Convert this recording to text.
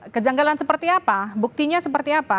kejanggalan seperti apa buktinya seperti apa